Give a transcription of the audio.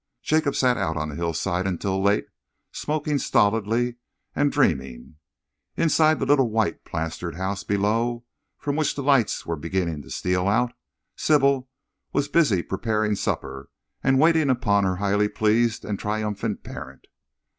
Jacob sat out on the hillside until late, smoking stolidly and dreaming. Inside the little white plastered house below, from which the lights were beginning to steal out, Sybil was busy preparing supper and waiting upon her highly pleased and triumphant parent.